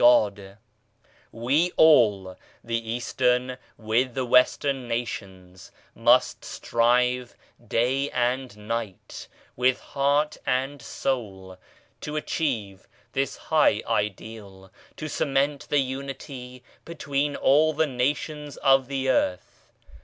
i8 GOD COMPREHENDS ALL We all, the Eastern with the Western nations, must strive day and night with heart and soul to achieve this high Ideal, to cement the Unity between all the Nations of the Earth.